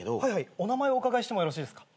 お名前お伺いしてもよろしいですか？